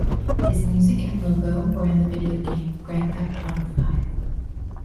His music and logo were in the video game "Grand Theft Auto V".